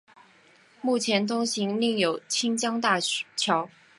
目前通行另有清江大桥。